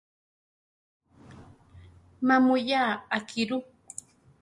Má muyaa akí ru.